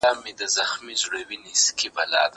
زه د کتابتون د کار مرسته نه کوم؟